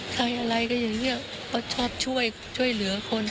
ใครอะไรก็อย่างนี้เขาชอบช่วยเหลือคน